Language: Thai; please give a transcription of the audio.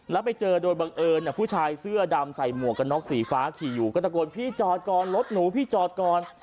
แล้วไปเจอโดยบังเอิญผู้ชายเสื้อดำใส่หมวกกันน็อกสีฟ้าขี่อยู่ก็ตะโกนพี่จอดก่อนรถหนูพี่จอดก่อน